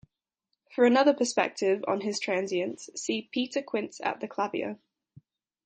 For another perspective on this transience see "Peter Quince at the Clavier".